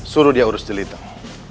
suruh dia urus jelitong